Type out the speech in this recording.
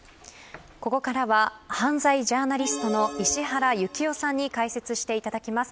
ここからは犯罪ジャーナリストの石原行雄さんに解説していただきます。